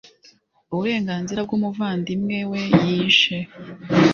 Uburenganzira bw umuvandimwe we yishe